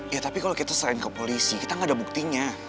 ya tapi kalo kita serahin ke polisi kita gak ada buktinya